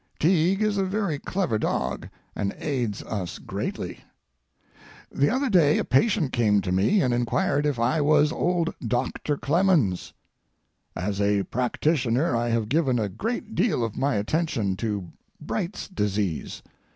Tige is a very clever dog, and aids us greatly. The other day a patient came to me and inquired if I was old Doctor Clemens— As a practitioner I have given a great deal of my attention to Bright's disease.